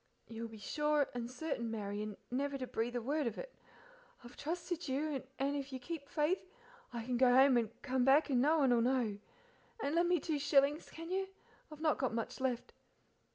"You'll be sure and certain, Marian, never to breathe a word of it; I've trusted you, and if you keep faith I can go home and come back and no one will know. And lend me two shillings, can you? I've not got much left.